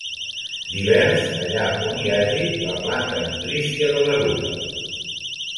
Divers, allà on hi hagi la planta nutrícia de l'eruga.